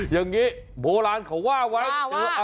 เธอจะทักนะ